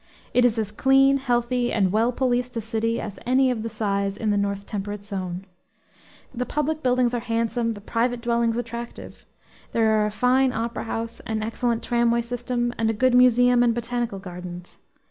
It is as clean, healthy, and well policed a city as any of the size in the north temperate zone. The public buildings are handsome, the private dwellings attractive; there are a fine opera house, an excellent tramway system, and a good museum and botanical gardens.